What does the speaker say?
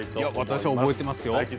私覚えてますよ。